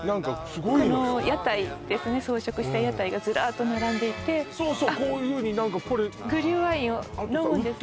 この屋台ですね装飾した屋台がずらーっと並んでいてこういうふうに何かこれグリューワインを飲むんですね